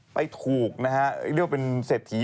ไปถูกนะฮะเรียกว่าเป็นเศรษฐี